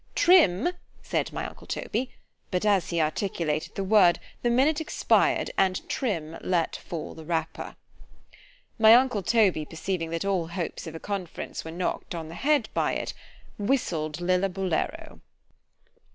Trim! said my uncle Toby——but as he articulated the word, the minute expired, and Trim let fall the rapper. My uncle Toby perceiving that all hopes of a conference were knock'd on the head by it——whistled Lillabullero.